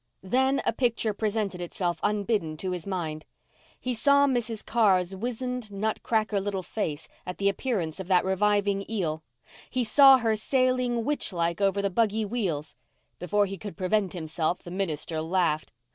Then a picture presented itself unbidden to his mind. He saw Mrs. Carr's wizened, nut cracker little face at the appearance of that reviving eel—he saw her sailing witch like over the buggy wheels. Before he could prevent himself the minister laughed.